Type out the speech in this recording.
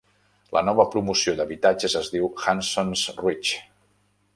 La nova promoció d'habitatges es diu Hanson's Reach.